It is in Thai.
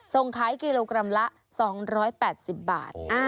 ส่งขายกิโลกรัมละ๒๘๐บาท